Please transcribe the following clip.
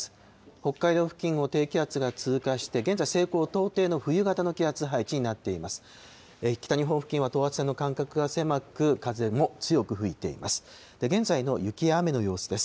北海道付近を低気圧が通過して、現在、西高東低の冬型の気圧配置になっています。